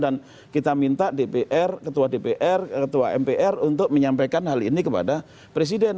dan kita minta dpr ketua dpr ketua mpr untuk menyampaikan hal ini kepada presiden